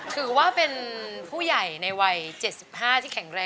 ถือว่าเป็นผู้ใหญ่ในวัย๗๕ที่แข็งแรง